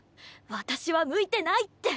私は向いてないって！